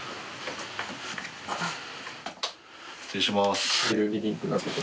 失礼します。